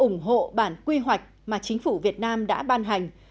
ủng hộ bản quy hoạch mà chính phủ việt nam đã ban hành